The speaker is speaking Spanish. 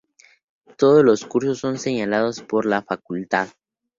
Todos los cursos son enseñados por la facultad.